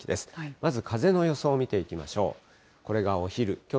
まず風の予想を見ていきましょう。